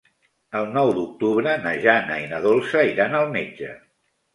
El nou d'octubre na Jana i na Dolça iran al metge.